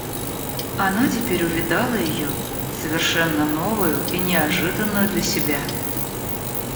Она теперь увидала ее совершенно новою и неожиданною для себя.